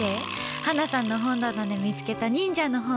ハナさんの本棚で見つけた忍者の本。